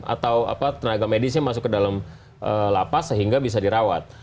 atau tenaga medisnya masuk ke dalam lapas sehingga bisa dirawat